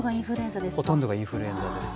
ほとんどがインフルエンザです。